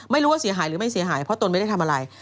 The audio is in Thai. ไม่รู้ว่าเสียหายหรือไม่เสียหายเพราะตนไม่ได้ทำอะไร